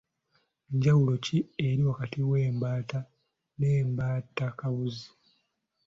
Njawulo ki eri wakati w'embaata n'embaatakabuzi?